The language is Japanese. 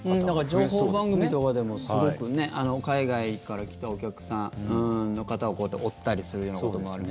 情報番組とかでもすごく海外から来たお客さんの方を追ったりするようなこともある。